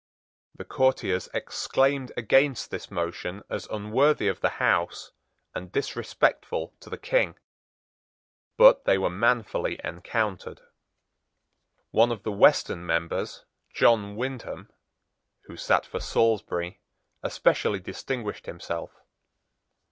The courtiers exclaimed against this motion as unworthy of the House and disrespectful to the King: but they were manfully encountered. One of the western members, John Windham, who sate for Salisbury, especially distinguished himself.